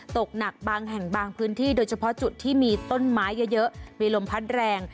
ตกหนักบางแห่งบางพื้นที่โดยเฉพาะจุดที่มีต้นไม้เยอะมีลมพัดแรง